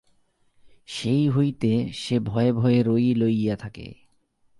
সেই হইতে সে ভয়ে ভয়ে রই লইয়া থাকে।